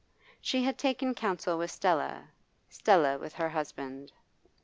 She had taken counsel with Stella, Stella with her husband.